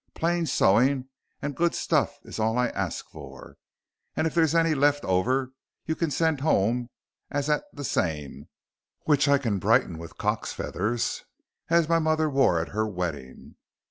"Plain sewing and good stuff is all I arsk for. And if there's any left over you can send home a 'at of the same, which I can brighten with a cockes feather as my mar wore at her wedding.